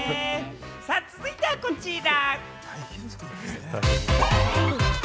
続いては、こちら。